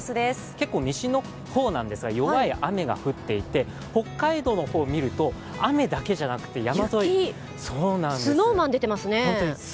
結構、西の方なんですが、弱い雨が降っていて、北海道の方を見ると雨だけじゃなくて雪、スノーマン出てますね。